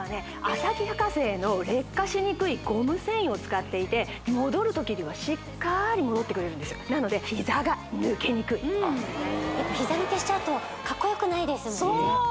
旭化成の劣化しにくいゴム繊維を使っていて戻るときにはしっかり戻ってくれるんですなのでひざが抜けにくいひざ抜けしちゃうとかっこよくないですもんね